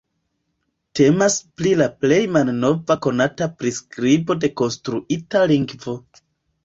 Temas pri la plej malnova konata priskribo de konstruita lingvo.